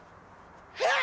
えっ！